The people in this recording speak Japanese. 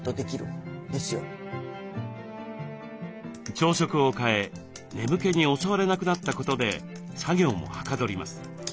朝食を変え眠気に襲われなくなったことで作業もはかどります。